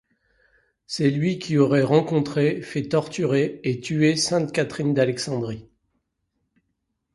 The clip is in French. C'est lui qui aurait rencontré, fait torturer et tuer sainte Catherine d'Alexandrie.